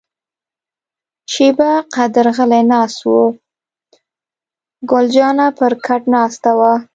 شیبه قدر غلي ناست وو، ګل جانه پر کټ ناسته وه.